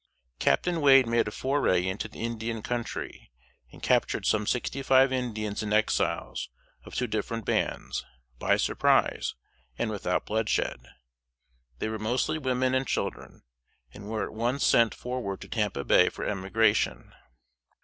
Captain Wade made a foray into the Indian Country, and captured some sixty five Indians and Exiles of two different bands, by surprise, and without bloodshed. They were mostly women and children, and were at once sent forward to Tampa Bay for emigration.